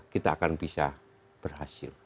kita akan bisa berhasil